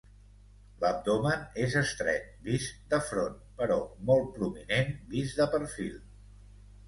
L'abdomen és estret, vist de front, però molt prominent vist de perfil.